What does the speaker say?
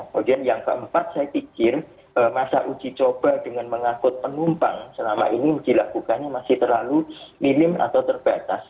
kemudian yang keempat saya pikir masa uji coba dengan mengangkut penumpang selama ini dilakukannya masih terlalu minim atau terbatas